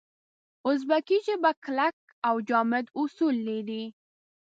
اوزبکي ژبه کلک او جامد اصول لري.